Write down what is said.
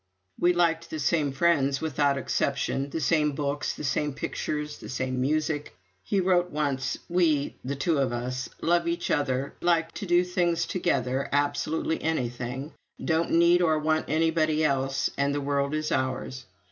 We liked the same friends without exception, the same books, the same pictures, the same music. He wrote once: "We (the two of us) love each other, like to do things together (absolutely anything), don't need or want anybody else, and the world is ours."